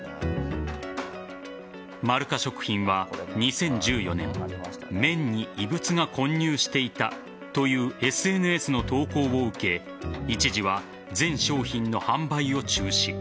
まるか食品は、２０１４年麺に異物が混入していたというＳＮＳの投稿を受け一時は全商品の販売を中止。